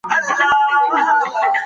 شجاع الدوله ځواک او ملاتړي جلب کړل.